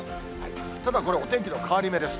ただ、これ、お天気の変わり目です。